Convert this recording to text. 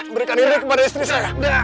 berikan dirinya kepada istri saya